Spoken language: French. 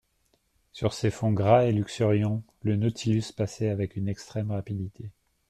Sur ces fonds gras et luxuriants, le Nautilus passait avec une extrême rapidité.